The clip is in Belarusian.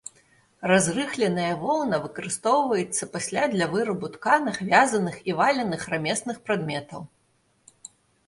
Разрыхленая воўна выкарыстоўваецца пасля для вырабу тканых, вязаных і валеных рамесных прадметаў.